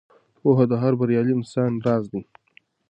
پوهه د هر بریالي انسان راز دی.